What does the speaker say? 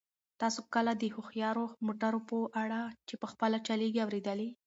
تاسو کله د هوښیارو موټرو په اړه چې په خپله چلیږي اورېدلي؟